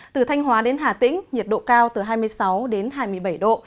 từ thanh hóa đến hà tĩnh nhiệt độ cao từ hai mươi sáu đến hai mươi bảy độ